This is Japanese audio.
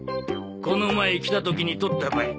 この前来た時に撮ったばい。